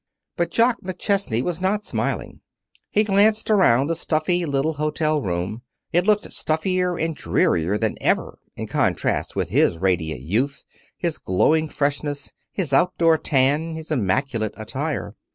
But Jock McChesney was not smiling. He glanced around the stuffy little hotel room. It looked stuffier and drearier than ever in contrast with his radiant youth, his glowing freshness, his outdoor tan, his immaculate attire.